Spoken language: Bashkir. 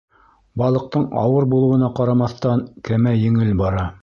Балыҡтың ауыр булыуына ҡарамаҫтан, кәмә еңел бара.